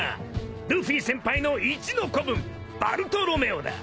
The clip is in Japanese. ルフィ先輩の一の子分バルトロメオだ。